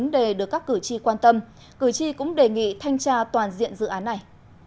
đề nghị thanh tra toàn diện dự án này